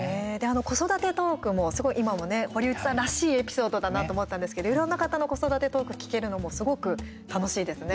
子育てトークもすごい今もね堀内さんらしいエピソードだなと思ったんですけどいろんな方の子育てトーク聞けるのも、すごく楽しいですね。